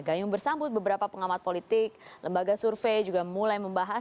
gayung bersambut beberapa pengamat politik lembaga survei juga mulai membahas